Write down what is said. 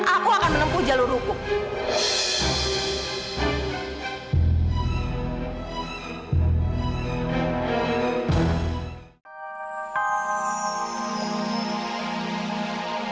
aku akan menempuh jalur hukum